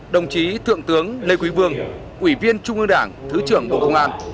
đồng chí thượng tướng lê quý vương ủy viên trung ương đảng thứ trưởng bộ công an